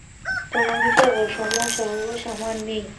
তোমার মতো অসমসাহস আমার নেই।